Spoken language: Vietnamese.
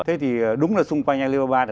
thế thì đúng là xung quanh alibaba